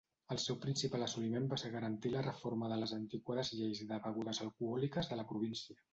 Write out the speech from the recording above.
Els seu principal assoliment va ser garantir la reforma de les antiquades lleis de begudes alcohòliques de la província.